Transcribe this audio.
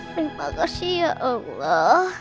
terima kasih ya allah